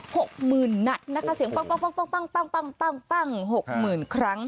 หกหมื่นนัดนะคะเสียงปั้งปั้งปั้งปั้งปั้งปั้งปั้งปั้งหกหมื่นครั้ง